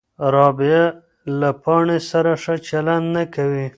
رابعه له پاڼې سره ښه چلند نه کوي.